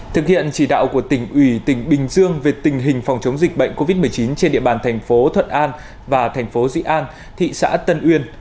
thực hiện chỉ đạo của tỉnh ủy tỉnh bình dương về tình hình phòng chống dịch bệnh covid một mươi chín trên địa bàn thành phố thuận an và thành phố dị an thị xã tân uyên